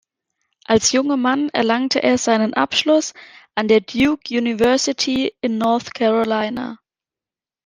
Als junger Mann erlangte er seinen Abschluss an der Duke University in North Carolina.